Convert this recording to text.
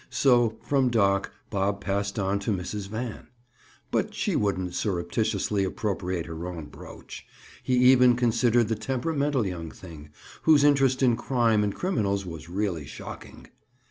So from Doc, Bob passed on to Mrs. Van. But she wouldn't surreptitiously appropriate her own brooch. He even considered the temperamental young thing whose interest in crime and criminals was really shocking.